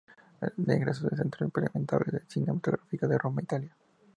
Es egresado del "Centro Sperimentale Di Cinematografía" de Roma, Italia.